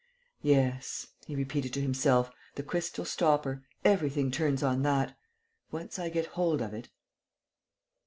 "Yes," he repeated to himself, "the crystal stopper: everything turns on that.... Once I get hold of it...."